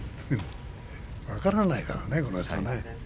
分からないからね、この人は。